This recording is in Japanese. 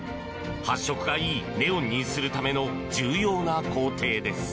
発色がいいネオンにするための重要な工程です。